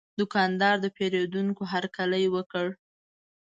دوکاندار د پیرودونکي هرکلی وکړ.